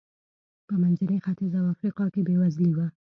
په منځني ختیځ او افریقا کې بېوزلي و.